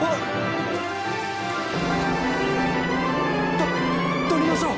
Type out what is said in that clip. とっとりましょう！